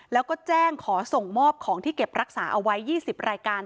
แล้วก็แจ้งขอส่งมอบของที่เก็บรักษาเอาไว้๒๐รายการ